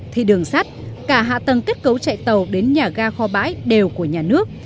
thì đường sắt cả hạ tầng kết cấu chạy tàu đến nhà ga kho bãi đều của nhà nước